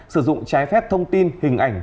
sử dụng trái phép thông tin hình ảnh